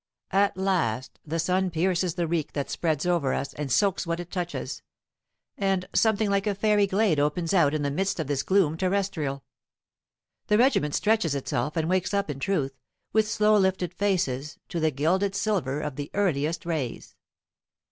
At last the sun pierces the reek that spreads over us and soaks what it touches, and something like a fairy glade opens out in the midst of this gloom terrestrial. The regiment stretches itself and wakes up in truth, with slow lifted faces to the gilded silver of the earliest rays.